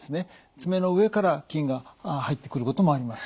爪の上から菌が入ってくることもあります。